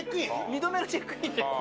２度目のチェックインって。